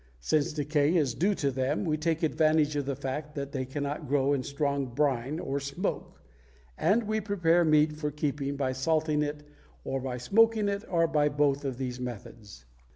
Since decay is due to them, we take advantage of the fact that they cannot grow in strong brine or smoke; and we prepare meat for keeping by salting it or by smoking it or by both of these methods.